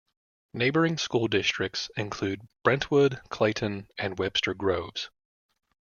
Neighboring school districts include Brentwood, Clayton, and Webster Groves.